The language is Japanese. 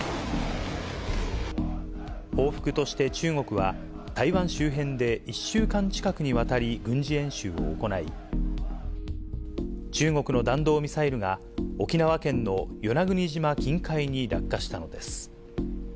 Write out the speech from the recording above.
報復として中国は、台湾周辺で１週間近くにわたり軍事演習を行い、中国の弾道ミサイルが、沖縄県の与那国島近海に落下したのです。